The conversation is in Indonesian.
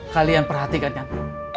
kalian perhatikan uncle